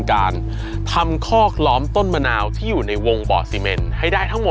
ได้ค่ะมานี่